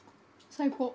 最高。